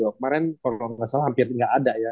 kemarin kalau gak salah hampir gak ada ya